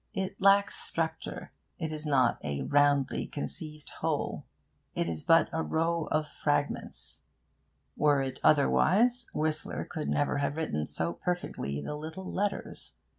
It lacks structure. It is not a roundly conceived whole: it is but a row of fragments. Were it otherwise, Whistler could never have written so perfectly the little letters.